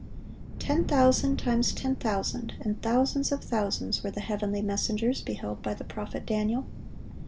(900) Ten thousand times ten thousand and thousands of thousands, were the heavenly messengers beheld by the prophet Daniel.